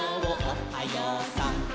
おはようさん」